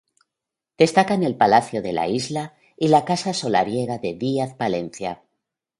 Destacan el Palacio de la Isla, y la casa solariega de Díaz Palencia.